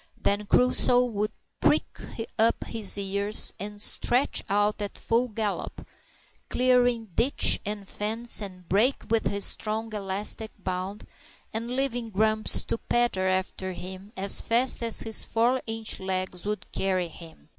Then Crusoe would prick up his ears and stretch out at full gallop, clearing ditch, and fence, and brake with his strong elastic bound, and leaving Grumps to patter after him as fast as his four inch legs would carry him.